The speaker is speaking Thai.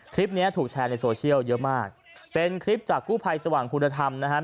คลิปนี้ถูกแชร์ในโซเชียลเยอะมากเป็นคลิปจากกู้ภัยสว่างคุณธรรมนะครับ